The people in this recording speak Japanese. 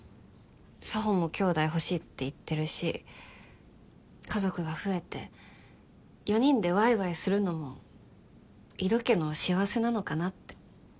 佐帆もきょうだい欲しいって言ってるし家族が増えて４人でワイワイするのも井戸家の幸せなのかなって。